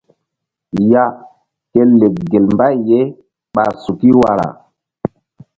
Ya ke lek gel mbay ye ɓa suki wara.